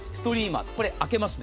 開けますね。